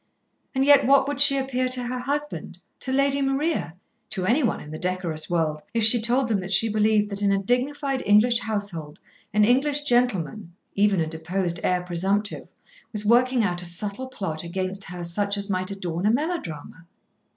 And yet, what would she appear to her husband, to Lady Maria, to anyone in the decorous world, if she told them that she believed that in a dignified English household, an English gentleman, even a deposed heir presumptive, was working out a subtle plot against her such as might adorn a melodrama?